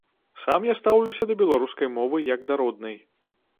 Сам я стаўлюся да беларускай мовы як да роднай.